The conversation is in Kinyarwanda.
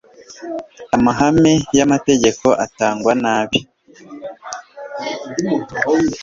amahame y'amategeko atangwa nabi.